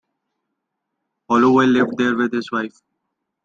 Holloway lived there with his wife.